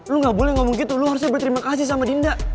lu gak boleh ngomong gitu lu harusnya berterima kasih sama dinda